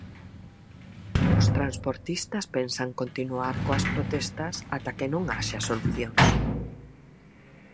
Os transportistas pensan continuar coas protestas ata que non haxa solucións.